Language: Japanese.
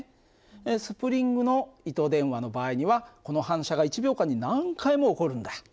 スプリングの糸電話の場合にはこの反射が１秒間に何回も起こるんだ。